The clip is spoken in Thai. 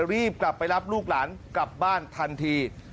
รีบกลับไปรับลูกหลานกลับบ้านทันที